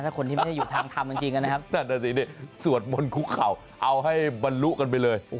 ถ้าคนที่ไม่ดีไม่มีทางทำงันจริงนะครับสวดม้นคุกเข่าเอาให้บันรุกันไปเลย